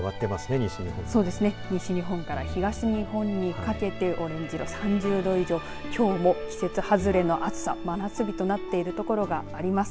西日本から東日本にかけてオレンジ色、３０度以上きょうも季節外れの暑さ真夏日となっている所があります。